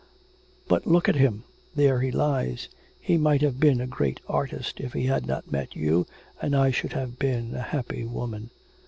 But look at him there he lies. He might have been a great artist if he had not met you and I should have been a happy woman.